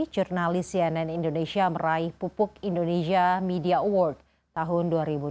jurnalis cnn indonesia meraih pupuk indonesia media award tahun dua ribu dua puluh